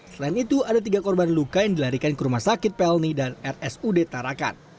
selain itu ada tiga korban luka yang dilarikan ke rumah sakit pelni dan rsud tarakan